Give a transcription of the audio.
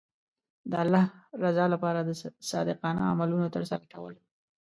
د الله رضا لپاره د صادقانه عملونو ترسره کول.